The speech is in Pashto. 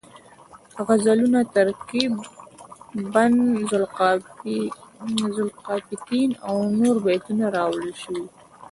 غزلونه، ترکیب بند ذوالقافیتین او نور بیتونه راوړل شوي